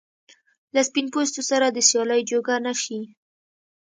له سپین پوستو سره د سیالۍ جوګه نه شي.